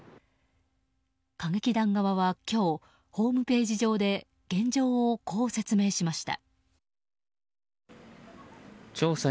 歌劇団側は、今日ホームページ上で現状をこう説明しました。